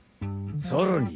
さらに！